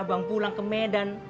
abang pulang ke medan